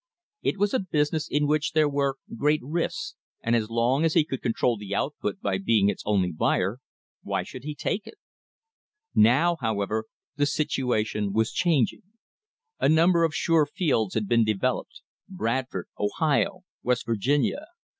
It was a business in which there were great risks, and as long as he could control the output by being its only buyer, why should he take them? Now, however, the situation was changing. A number of sure fields had been developed Bradford, Ohio, West Virginia.